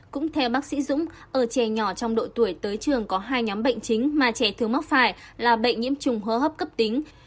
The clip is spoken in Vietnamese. cũng theo bác sĩ dũng ở trẻ nhỏ trong độ tuổi tới trường có hai nhóm bệnh chính mà trẻ thường mắc phải là bệnh nhiễm trùng hố hấp cấp tính